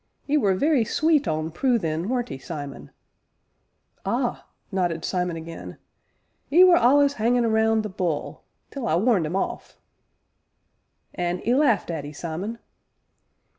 "'E were very sweet on Prue then, weren't 'e, Simon?" "Ah!" nodded Simon again; "'e were allus 'anging round 'The Bull' till I warned 'im off " "An' 'e laughed at 'ee, Simon."